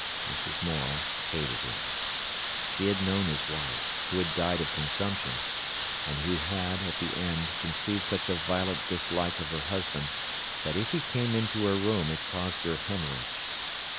Mrs. Morel hated him. She had known his wife, who had died of consumption, and who had, at the end, conceived such a violent dislike of her husband, that if he came into her room it caused her hæmorrhage.